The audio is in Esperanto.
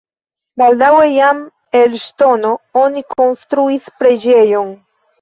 Baldaŭe jam el ŝtono oni konstruis preĝejon.